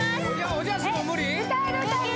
おじゃすも無理？